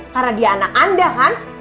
karena dia anak anda kan